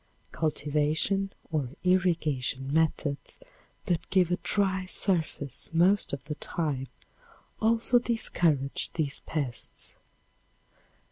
Cultivation or irrigation methods that give a dry surface most of the time also discourage these pests.